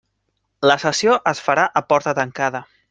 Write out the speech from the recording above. La sessió es farà a porta tancada.